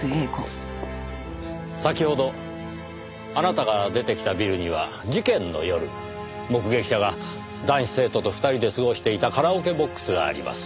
先ほどあなたが出てきたビルには事件の夜目撃者が男子生徒と２人で過ごしていたカラオケボックスがあります。